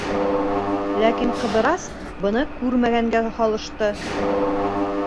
Ләкин Ҡыҙырас быны күрмәгәнгә һалышты.